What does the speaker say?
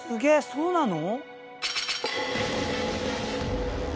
そうなの？